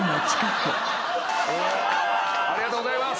ありがとうございます。